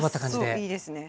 いいですね。